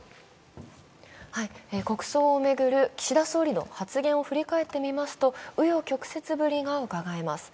国葬を巡る岸田総理の発言を振り返ってみますと、紆余曲折ぶりがうかがえます。